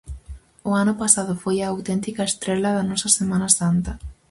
O ano pasado foi a auténtica Estrela da nosa Semana Santa.